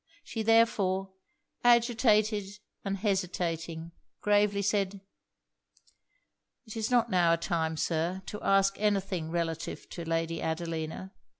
She therefore, agitated and hesitating, gravely said 'It is not now a time, Sir, to ask any thing relative to Lady Adelina.